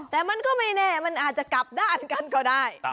แต่มันก็ไม่แน่มันอาจจะกลับด้านกันก็ได้